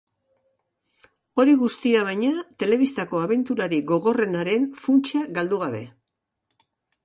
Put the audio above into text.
Hori guztia, baina, telebistako abenturarik gogorrenaren funtsa galdu gabe.